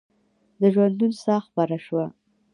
د ژوندون ساه خپره شوه